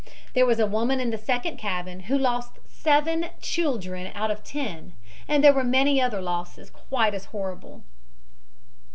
There was a woman in the second cabin who lost seven children out of ten, and there were many other losses quite as horrible.